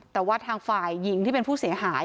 แต่ว่าทางฝ่ายหญิงที่เป็นผู้เสียหาย